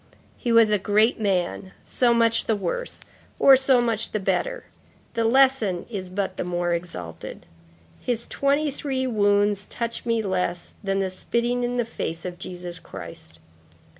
He was a great man; so much the worse, or so much the better; the lesson is but the more exalted. His twenty three wounds touch me less than the spitting in the face of Jesus Christ.